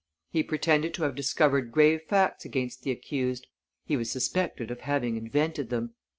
He pretended to have discovered grave facts against the accused; he was suspected of having invented them.